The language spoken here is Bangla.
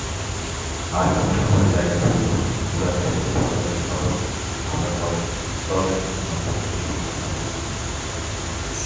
আর কোন শহরে জায়গা থাকলেও উড়াল সেতু বা উড়াল সড়ক আমরা কয় স্তরে নির্মাণ করতে সক্ষম হব?